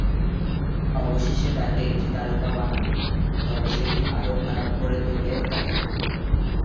অবশেষে তাকে একটি তারকা বানান, তবে সেটি আরও খারাপ করে তোলে তাদের কে।